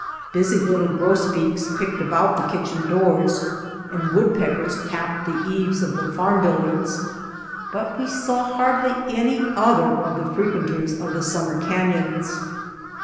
Busy Httle grosbeaks picked about the kitchen doors, and wood peckers tapped the eves of the farm build ings, but we saw hardly any other of the frequenters of the summer carious.